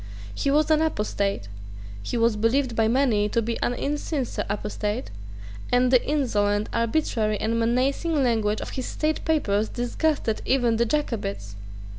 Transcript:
He was an apostate: he was believed by many to be an insincere apostate; and the insolent, arbitrary and menacing language of his state papers disgusted even the Jacobites.